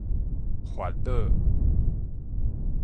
發落